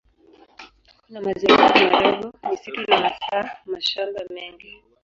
Kuna maziwa mengi madogo, misitu na hasa mashamba mengi.